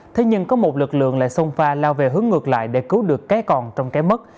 thế nhưng có một lực lượng lại sông pha lao về hướng ngược lại để cứu được cái còn trong cái mất